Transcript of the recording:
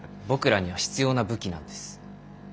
僕らには必要な武器なんです。